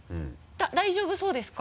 大丈夫そうですか？